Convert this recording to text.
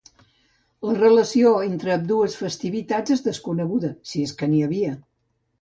La relació entre ambdues festivitats és desconeguda, si és que n'hi havia.